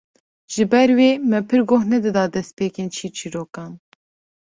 Ji ber wê me pir goh nedida destpêkên çîrçîrokan